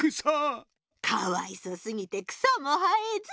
かわいそすぎて草も生えず！